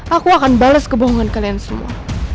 aku akan bales kebohongan kalian semua